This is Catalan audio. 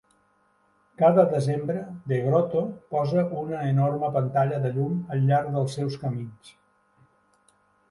Cada desembre The Grotto posa una enorme pantalla de llum al llarg dels seus camins.